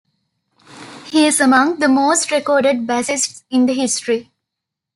He is among the most recorded bassists in history.